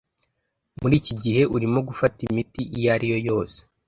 Muri iki gihe urimo gufata imiti iyo ari yo yose?